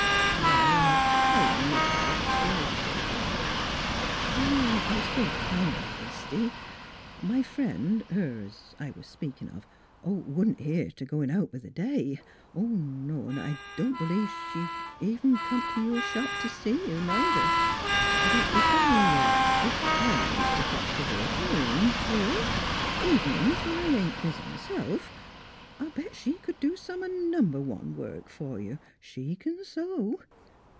" Well, I'll tell you, Mis' Hobbs," she hesi tated. " I spoke kind o' hasty. My friend her 't I was speakin' of wouldn't hear t' goin' out b' th' day. ... 'N' I don't b'lieve she'd even come to your shop t' see you, neither. But ef I ef I was t' fetch the work home t' her evenin's, when I ain't busy m'self I'll bet she'd do some a number one work fer you. She c'n sew!